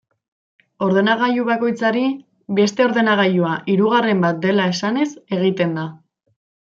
Ordenagailu bakoitzari, beste ordenagailua hirugarren bat dela esanez egiten da.